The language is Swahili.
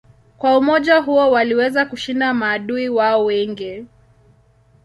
Kwa umoja huo waliweza kushinda maadui wao wengi.